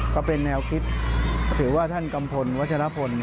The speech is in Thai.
ก็เป็นแนวคิดถือว่าท่านกัมพลวัชรพล